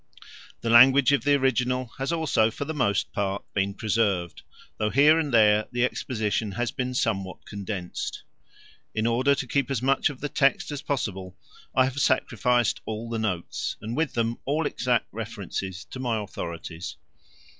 The language of the original has also for the most part been preserved, though here and there the exposition has been somewhat condensed. In order to keep as much of the text as possible I have sacrificed all the notes, and with them all exact references to my authorities.